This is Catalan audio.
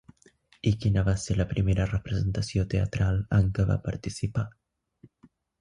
I quina va ser la primera representació teatral en què va participar?